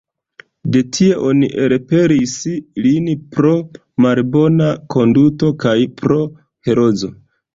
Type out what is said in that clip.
De tie oni elpelis lin pro malbona konduto kaj pro herezo.